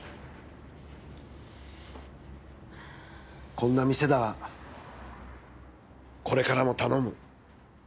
こんな店だがこれからも頼む。